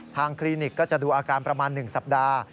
คลินิกก็จะดูอาการประมาณ๑สัปดาห์